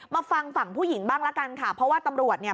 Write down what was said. ฟังฝั่งผู้หญิงบ้างละกันค่ะเพราะว่าตำรวจเนี่ย